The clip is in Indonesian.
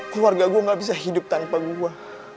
keluarga gue gak bisa hidup tanpa gue